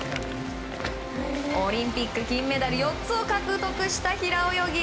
オリンピック金メダル４つを獲得した平泳ぎ。